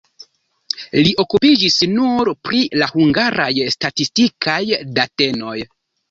Li okupiĝis nur pri la hungaraj statistikaj datenoj.